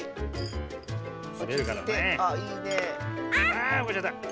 あおっこっちゃった。